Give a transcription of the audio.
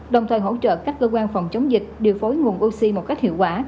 đồng thời hỗ trợ các cơ quan phòng chống dịch điều phối nguồn oxy một cách hiệu quả